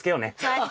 はい。